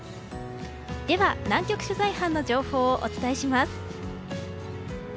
では、南極取材班の情報をお伝えします。